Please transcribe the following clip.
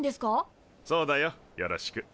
そうだよよろしく。